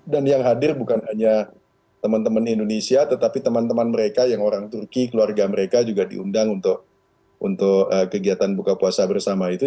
dan yang hadir bukan hanya teman teman indonesia tetapi teman teman mereka yang orang turki keluarga mereka juga diundang untuk kegiatan buka puasa bersama itu